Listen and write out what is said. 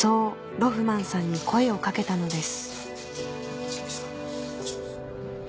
ロフマンさんに声を掛けたのです